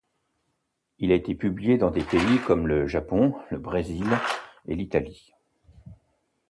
Il a été publié dans des pays comme le Japon, le Brésil et l'Italie.